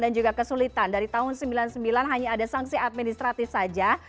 juga kesulitan dari tahun seribu sembilan ratus sembilan puluh sembilan hanya ada sanksi administratif saja